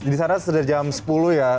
di sana sudah jam sepuluh ya